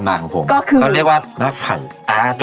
ครับผมค่ะนั่นคือใคร